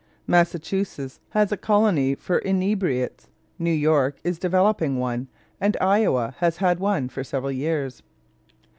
Massachusetts has a colony for inebriates, New York is developing one, and Iowa has had one for several years.